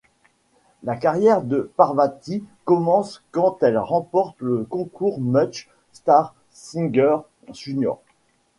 La carrière de Parvathy commence quand elle remporte le concours Munch Star Singer junior.